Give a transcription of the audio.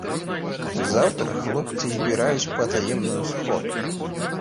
Заўтра хлопцы збіраюць патаемную сходку.